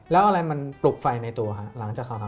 แล้วอะไรมันปลุกไฟในตัวหรือคะหลังจาก